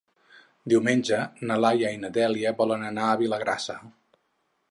Diumenge na Laia i na Dèlia volen anar a Vilagrassa.